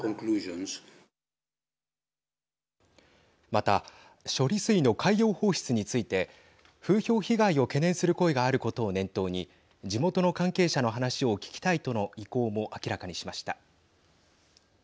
また処理水の海洋放出について風評被害を懸念する声があることを念頭に地元の関係者の話を聞きたいとの意向も明らかにしました。